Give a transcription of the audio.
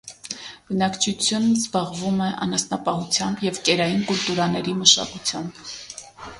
Բնակչությունն զբաղվում է անասնապահությամբ և կերային կուլտուրաների մշակությամբ։